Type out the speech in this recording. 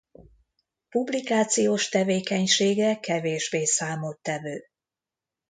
Publikációs tevékenysége kevésbé számottevő.